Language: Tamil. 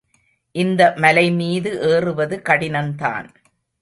இந்த மலைமீது ஏறுவது கடினந்தான்.